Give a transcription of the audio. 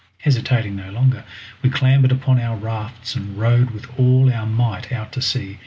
Hesitating no longer we clambered upon our rafts and rowed with all our might out to sea.